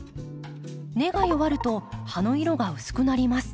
根が弱ると葉の色が薄くなります。